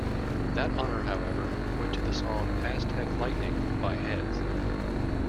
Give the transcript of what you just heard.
That honour, however, went to the song "Aztec Lightning" by Heads.